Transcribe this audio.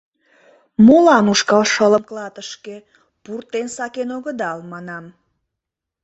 Молан ушкал шылым клатышке пуртен сакен огыдал, манам?..